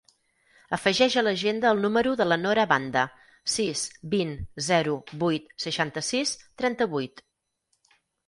Afegeix a l'agenda el número de la Nora Banda: sis, vint, zero, vuit, seixanta-sis, trenta-vuit.